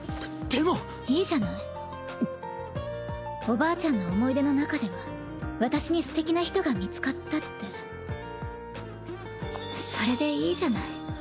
おばあちゃんの思い出の中では私にすてきな人が見つかったってそれでいいじゃない。